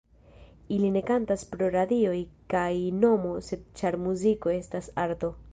Ili ne kantas pro radioj kaj nomo sed ĉar muziko estas arto.